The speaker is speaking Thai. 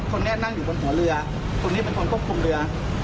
คนนี้นั่งอยู่บนหัวเรือคนนี้เป็นคนควบคุมเรือ